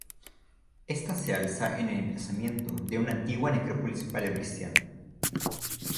Esta se alza en el emplazamiento de una antigua necrópolis paleocristiana.